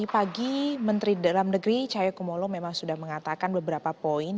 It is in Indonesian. pagi menteri dalam negeri cahaya kumolo memang sudah mengatakan beberapa poin